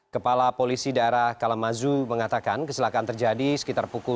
kepala polisi daerah kalamazoo mengatakan kesilakan terjadi sekitar pukul sepuluh